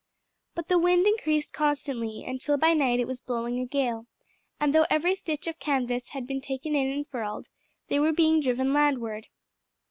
But the wind increased constantly until by night it was blowing a gale, and though every stitch of canvas had been taken in and furled, they were being driven landward.